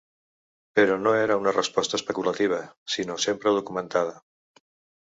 Però no era una resposta especulativa, sinó sempre documentada.